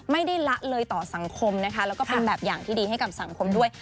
ละเลยต่อสังคมนะคะแล้วก็เป็นแบบอย่างที่ดีให้กับสังคมด้วย